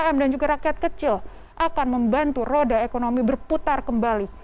umkm dan juga rakyat kecil akan membantu roda ekonomi berputar kembali